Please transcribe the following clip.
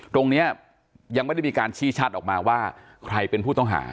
ตรงนี้ยังไม่ได้มีการชี้ชัดออกมาว่าใครเป็นผู้ต้องหา